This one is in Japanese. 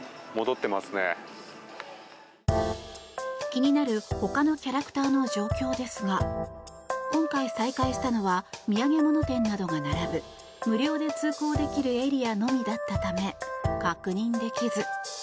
気になる他のキャラクターの状況ですが今回再開したのは土産物店などが並ぶ無料で通行できるエリアのみだったため確認できず。